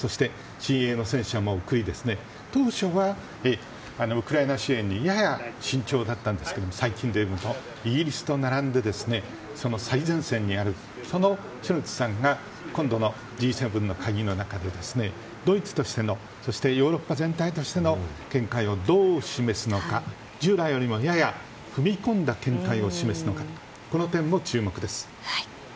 新鋭の戦車も送りウクライナ支援にやや慎重だったんですが最近はイギリスと並んで最前線にあるショルツさんがＧ７の中でドイツとしてのヨーロッパ全体としての見解をどう示すのか従来よりもやや踏み込んだ見解を示すのかという点も注目です。